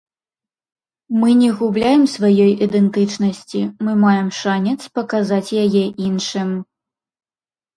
Мы не губляем сваёй ідэнтычнасці, мы маем шанец паказаць яе іншым.